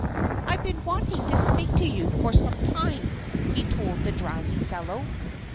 "I've been wanting to speak to you for some time," he told the drowsy fellow.